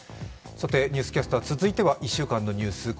「ニュースキャスター」続いては１週間のニュース